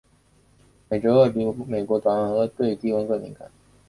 美洲鳄比美国短吻鳄对于低温更敏感。